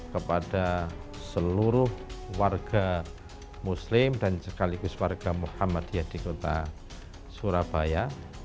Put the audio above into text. kepada seluruh warga muslim dan sekaligus warga muhammadiyah di kota surabaya